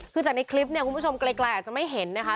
คือจากในคลิปเนี่ยคุณผู้ชมไกลอาจจะไม่เห็นนะคะ